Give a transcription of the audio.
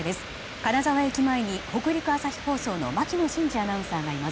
金沢駅前に北陸朝日放送の牧野慎二アナウンサーがいます。